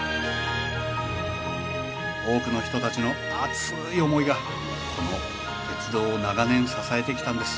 多くの人たちの熱い思いがこの鉄道を長年支えてきたんです